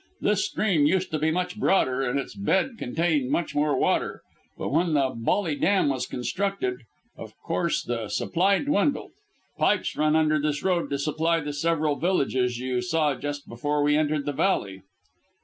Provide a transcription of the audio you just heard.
This stream used to be much broader, and its bed contained much more water, but when the Bolly Dam was constructed, of course the supply dwindled. Pipes run under this road to supply the several villages you saw just before we entered the valley."